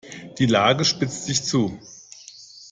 Die Lage spitzt sich zu.